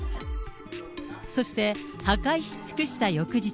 そして破壊し尽くした翌日。